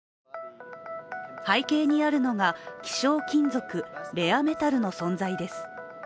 背景にあるのが希少金属＝レアメタルの存在です。